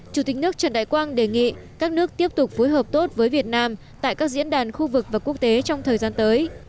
chủ tịch nước trần đại quang đề nghị các nước tiếp tục phối hợp tốt với việt nam tại các diễn đàn khu vực và quốc tế trong thời gian tới